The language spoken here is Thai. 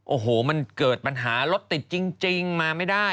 โอ้โหมันเกิดปัญหารถติดจริงมาไม่ได้